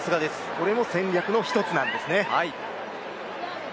これも戦略の１つなんですね